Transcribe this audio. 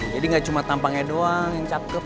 jadi gak cuma tampangnya doang yang cakep